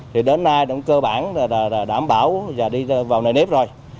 thì đến nay cũng cơ bản đảm bảo và đi vào này nếp rồi